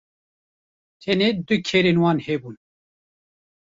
tenê du kerên wan hebûn